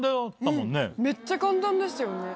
めっちゃ簡単でしたよね。